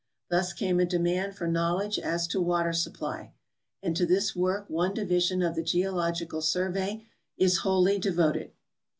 Thus came a demand for knowledge as to water suppl}^ and to this work one division of the Geological Survey is wholly devoted.